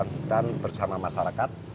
pengelolaan hutan bersama masyarakat